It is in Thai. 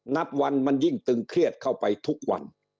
นับวันมันยิ่งตึงเครียดเข้าไปทุกวัน